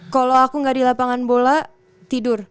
kalau aku nggak di lapangan bola tidur